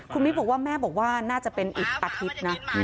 คุณมิ๊กบอกว่าแม่บอกว่าน่าจะเป็นอีกอาทิตย์นะ